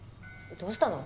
どうしたの？